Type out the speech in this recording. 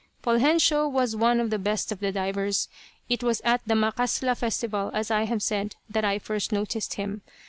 Poljensio was one of the best of the divers. It was at the "macasla" festival, as I have said, that I first noticed him.